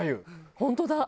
本当だ。